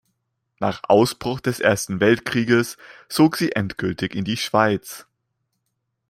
Nach Ausbruch des Ersten Weltkrieges zog sie endgültig in die Schweiz.